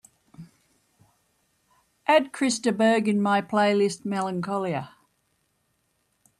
add Chris de Burgh in my playlist melancholia